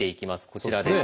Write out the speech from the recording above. こちらです。